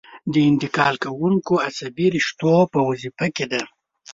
د انتقال کوونکو عصبي رشتو په وظیفه کې ده.